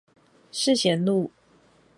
世賢路